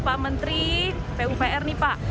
pak menteri pupr nih pak